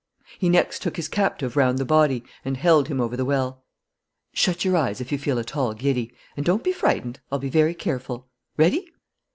He next took his captive round the body and held him over the well: "Shut your eyes, if you feel at all giddy. And don't be frightened. I'll be very careful. Ready?"